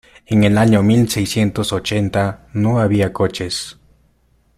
En el año mil seiscientos ochenta no había coches.